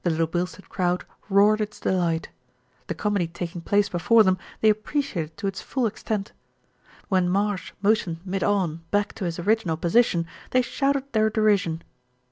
The Little Bilstead crowd roared its delight. The comedy taking place before them they appreciated to its full extent. When Marsh motioned mid on back to his original position, they shouted their derision.